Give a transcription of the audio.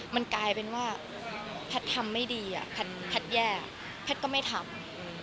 มันกลายเป็นว่าแพทย์ทำไม่ดีแพทย์แย่แพทย์ก็ไม่ทำ